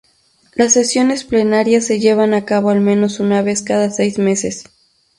Las sesiones plenarias se llevan a cabo al menos una vez cada seis meses.